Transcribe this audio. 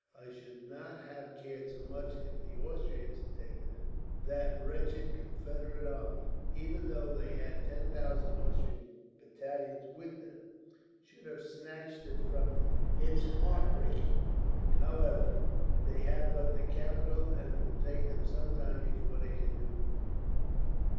I should not have cared so much if the Austrians had taken it, but that that wretched Confederate army, even though they had ten Austrian battalions with them, should have snatched it from me, is heart breaking. However, they have but the capital, and it will take them some time before they can do more."